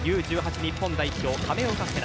日本代表・亀岡聖成。